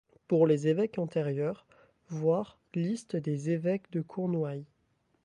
Pour les évêques antérieurs, voir Liste des évêques de Cornouaille.